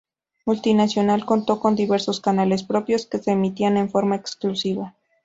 Multicanal contó con diversos canales propios que se emitían en forma exclusiva.